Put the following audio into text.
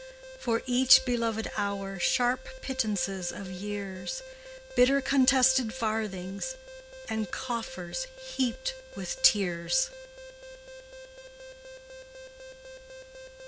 For each beloved hour Sharp pittances of years, Bitter contested farthings And coffers heaped with tears.